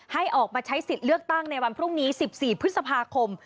ให้ออกมาใช้สิทธิ์เลือกตั้งในวันพรุ่งนี้๑๔พฤษภาคม